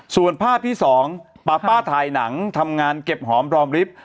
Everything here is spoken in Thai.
ส่วนภาพที่๒ป๊าป้าถ่ายหนังทำงานเก็บหอมรอมลิฟต์